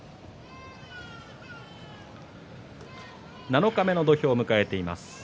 七日目の土俵を迎えています。